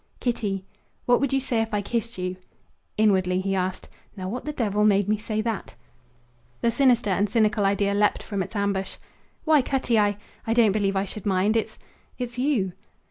"Kitty, what would you say if I kissed you?" Inwardly he asked: "Now, what the devil made me say that?" The sinister and cynical idea leaped from its ambush. "Why, Cutty, I I don't believe I should mind. It's it's you!"